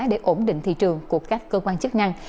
để ổn định thị trường của các cơ quan chức năng